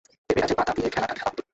পেঁপে গাছের পাতা দিয়ে খেলাটা খেলা হত।